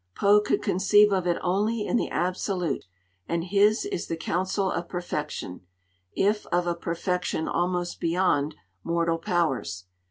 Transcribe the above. Poe could conceive of it only in the absolute; and his is the counsel of perfection, if of a perfection almost beyond mortal powers.